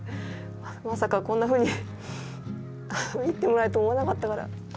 まさかこんなふうに言ってもらえると思わなかったから。